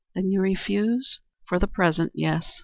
"Then you refuse?" "For the present, yes."